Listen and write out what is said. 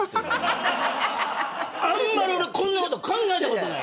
あんまり俺こんなこと考えたことない。